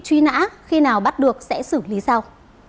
truy nã khi nào bắt được sẽ xử lý sau